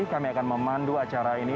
kami akan memandu acara ini